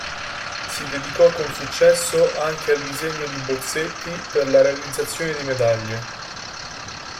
Si dedicò con successo anche al disegno di bozzetti per la realizzazione di medaglie.